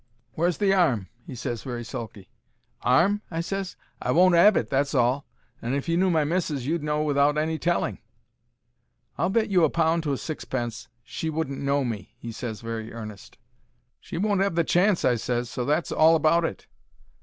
"Where's the 'arm?" he ses, very sulky. "'Arm?" I ses. "I won't 'ave it, that's all; and if you knew my missis you'd know without any telling." "I'll bet you a pound to a sixpence she wouldn't know me," he ses, very earnest. "She won't 'ave the chance," I ses, "so that's all about it."